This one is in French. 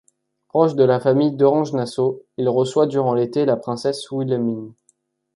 Proche de la famille d'Orange-Nassau, il reçoit durant l'été la princesse Wilhelmine.